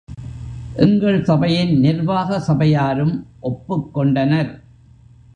எங்கள் சபையின் நிர்வாக சபையாரும் ஒப்புக் கொண்டனர்.